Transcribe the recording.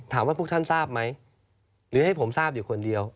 พวกท่านทราบไหมหรือให้ผมทราบอยู่คนเดียว